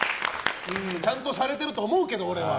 ちゃんとされてると思うけど俺は。